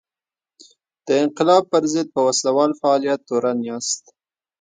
د انقلاب پر ضد په وسله وال فعالیت تورن یاست.